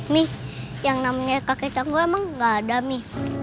mi yang namanya kakek canggul emang gak ada mi